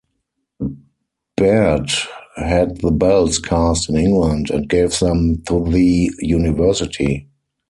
Baird had the bells cast in England and gave them to the university.